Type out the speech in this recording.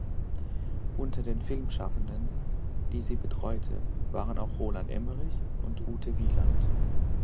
Unter den Filmschaffenden, die sie betreute, waren auch Roland Emmerich und Ute Wieland.